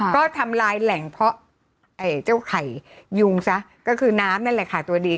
ก็ทำลายแหล่งเพาะเจ้าไข่ยุงซะก็คือน้ำนั่นแหละค่ะตัวดี